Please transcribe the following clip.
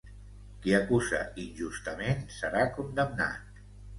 Qui acusa injustament serà condemnat.